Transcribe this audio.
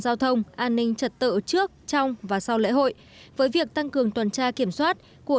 giao thông an ninh trật tự trước trong và sau lễ hội với việc tăng cường tuần tra kiểm soát của